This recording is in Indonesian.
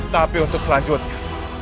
tapi untuk selanjutnya